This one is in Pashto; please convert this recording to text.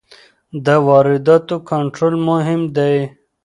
د وارداتو کنټرول مهم دی.